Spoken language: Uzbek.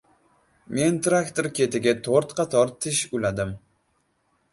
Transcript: Men traktor ketiga to‘rt qator tish uladim.